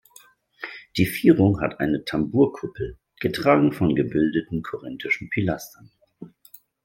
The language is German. Die Vierung hat eine Tambourkuppel, getragen von gebündelten korinthischen Pilastern.